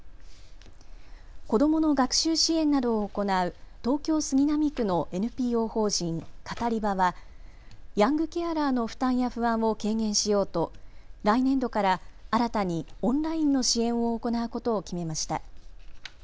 子どもの学習支援などを行う東京杉並区のＮＰＯ法人カタリバはヤングケアラーの負担や不安を軽減しようと来年度から新たにオンラインの支援を行うことを決めました。